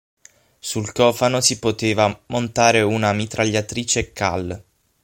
Sul cofano si poteva montare una mitragliatrice cal.